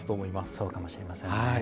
そうかもしれませんね。